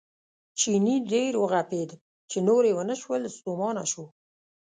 چیني ډېر وغپېد چې نور یې ونه شول ستومانه شو.